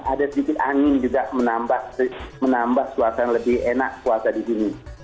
ada sedikit angin juga menambah suasana lebih enak puasa di sini